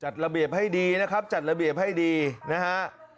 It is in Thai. ระเบียบให้ดีนะครับจัดระเบียบให้ดีนะฮะ